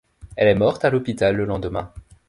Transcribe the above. Elle est morte à l'hôpital le lendemain.